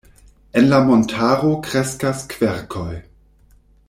En la montaro kreskas kverkoj.